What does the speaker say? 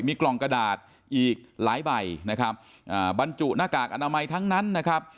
มีกล่องกระดาษอีกหลายใบนะครับอ่าบรรจุหน้ากากอนามัยทั้งนั้นนะครับ